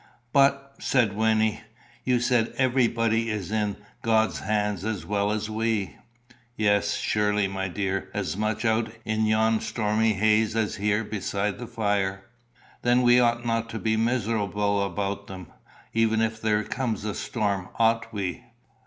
"But," said Wynnie, "you say everybody is in God's hands as well as we." "Yes, surely, my dear; as much out in yon stormy haze as here beside the fire." "Then we ought not to be miserable about them, even if there comes a storm, ought we?"